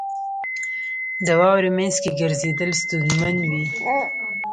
• د واورې مینځ کې ګرځېدل ستونزمن وي.